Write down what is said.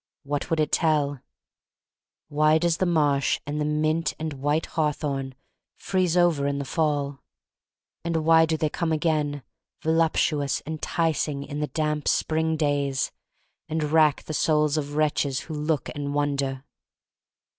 What would it tell? Why does the marsh, and the mint and white hawthorn, freeze over in the r 52 THE STORY OF MARY MAC LANE fall? And why do they come again, voluptuous, enticing, in the damp spring days — and rack the souls of wretches who look and wonder?